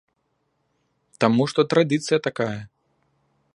Таму што традыцыя такая.